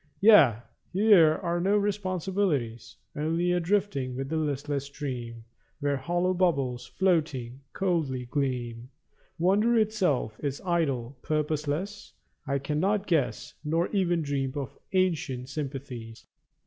Yea, here are no responsibilities. Only a drifting with the listless stream Where hollow bubbles, floating, coldly gleam. Wonder itself is idle, purposeless; I cannot guess Nor even dream of ancient sympathies.